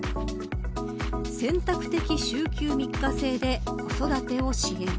選択的週休３日制で子育てを支援。